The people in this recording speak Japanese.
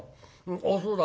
あっそうだ。